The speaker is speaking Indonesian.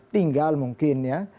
tinggal mungkin ya